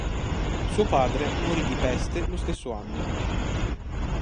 Suo padre morì di peste lo stesso anno.